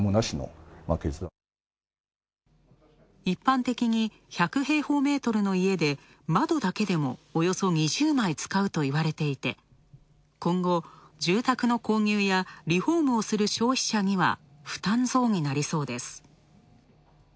一般的に１００平方ｍの家で窓だけでもおよそ２０枚使うといわれていて今後、住宅の購入やリフォームをする消費者には負担増になりそうです。